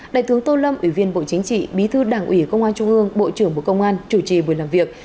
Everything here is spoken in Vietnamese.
đại tướng tô lâm ủy viên bộ chính trị bí thư đảng ủy công an trung ương bộ trưởng bộ công an chủ trì buổi làm việc